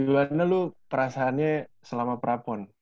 gimana lu perasaannya selama prapon